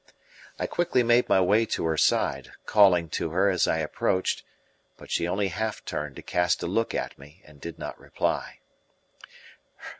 I quickly made my way to her side, calling to her as I approached; but she only half turned to cast a look at me and did not reply.